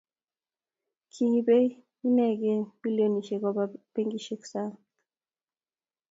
kiibei inegei bilionisiek koba benkisiekab sang